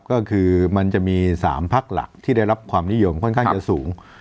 ก็คือมันจะมี๓พักหลักที่ได้รับความนิยมค่อนข้างจะสูง